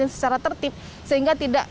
secara tertib sehingga tidak